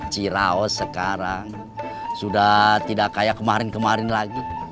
cirau sekarang sudah tidak kayak kemarin kemarin lagi